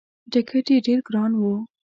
ټکت یې ډېر ګران وو.